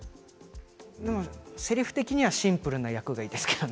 せりふ的にはシンプルな役がいいですけどね。